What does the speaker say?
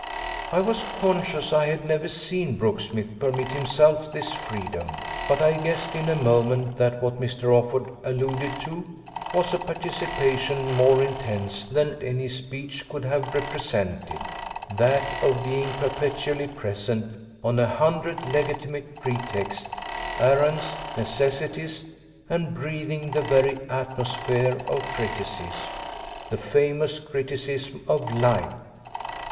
I was conscious I had never seen Brooksmith permit himself this freedom, but I guessed in a moment that what Mr. Offord alluded to was a participation more intense than any speech could have represented that of being perpetually present on a hundred legitimate pretexts, errands, necessities, and breathing the very atmosphere of criticism, the famous criticism of life.